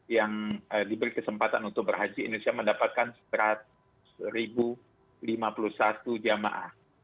yang diberi kesempatan untuk berhaji indonesia mendapatkan seratus lima puluh satu jamaah